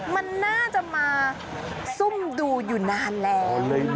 มันน่าจะมาซุ่มดูอยู่นานแล้ว